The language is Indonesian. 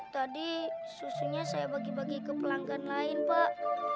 tadi susunya saya bagi bagi ke pelanggan lain pak